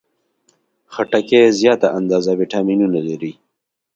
خټکی زیاته اندازه ویټامینونه لري.